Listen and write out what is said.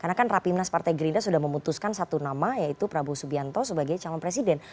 karena kan rapimnas partai gerindra sudah memutuskan satu nama yaitu prabowo subianto sebagai calon presiden